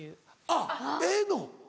あっええの？